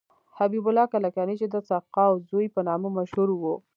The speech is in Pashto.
حبیب الله کلکانی چې د سقاو زوی په نامه مشهور و.